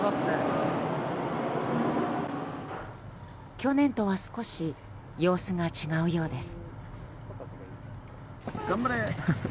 去年とは少し様子が違うようです。